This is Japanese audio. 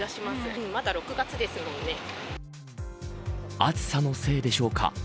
暑さのせいでしょうか